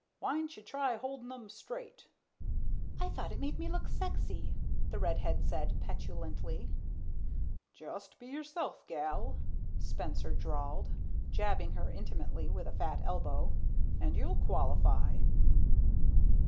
Why'n'sha try holdin' 'em straight?" "I thought it made me look sexy," the redhead said petulantly. "Just be yourself, gal," Spencer drawled, jabbing her intimately with a fat elbow, "and you'll qualify."